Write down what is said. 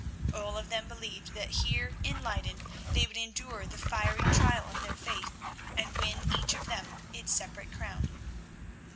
All of them believed that here in Leyden they would endure the fiery trial of their faith and win each of them its separate crown.